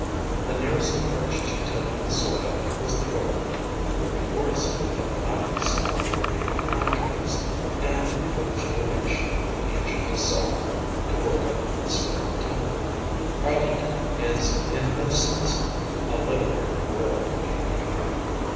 The nearest approach to tilling the soil was the garden, the re foresting of the mountain side with baby pine trees, and the rejuvenation of an ancient saw mill to work up the scrub timber. Arlington is "in no sense a literary rural com munity."